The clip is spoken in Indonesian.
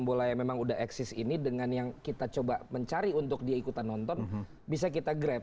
bola yang memang udah eksis ini dengan yang kita coba mencari untuk dia ikutan nonton bisa kita grab